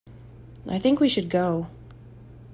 I think we should go.